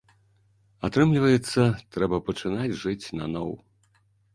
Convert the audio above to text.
Атрымліваецца, трэба пачынаць жыць наноў.